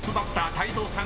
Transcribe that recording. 泰造さん